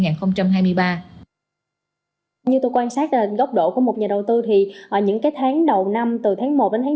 như tôi quan sát gốc độ của một nhà đầu tư thì những tháng đầu năm từ tháng một đến hai tháng bốn